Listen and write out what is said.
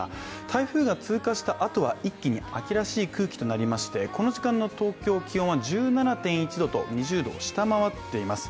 台風が通過したあとは一気に秋らしい空気となりましてこの時間の東京、気温は１７．１度と２０度を下回っています。